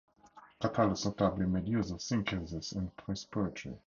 Catullus notably made use of synchysis in his poetry.